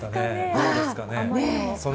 どうですかね？